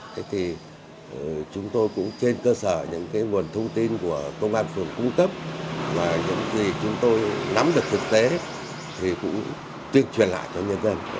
thế thì chúng tôi cũng trên cơ sở những nguồn thông tin của công an phường cung cấp và những gì chúng tôi nắm được thực tế thì cũng tuyên truyền lại cho nhân dân